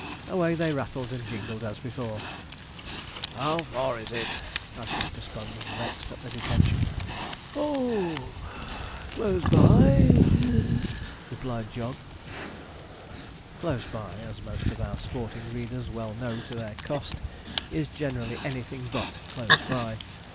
Away they rattled and jingled as before. 'How far is it?' asked Mr. Sponge, vexed at the detention. 'Oh (puff), close by (wheeze),' replied Jog. 'Close by,' as most of our sporting readers well know to their cost, is generally anything but close by.